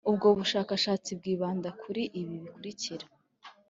Ubwo bushakashatsi bwibanda kuri ibi bikurikira